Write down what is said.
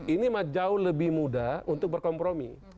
ini jauh lebih mudah untuk berkompromi